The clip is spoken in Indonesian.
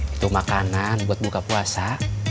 itu makanan buat buka puasa